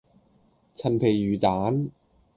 陳皮魚蛋